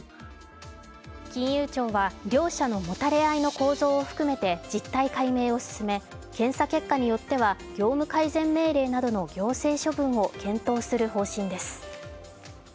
金融庁は業者のもたれ合いの構造を含めて実態解明を進め検査結果によっては業務改善命令などの行政処分を検討する方針です。